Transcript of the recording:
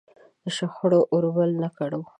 د شخړو اور بل نه کړو.